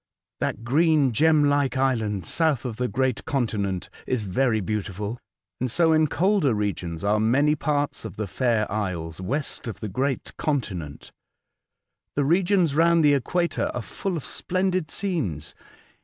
That green gem like island south of the great continent* is very beautiful, and so in colder regions are many parts of the fair isles west of the great continent. The regions round the equator are full of splendid scenes.